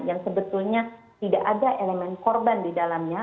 yang sebetulnya tidak ada elemen korban di dalamnya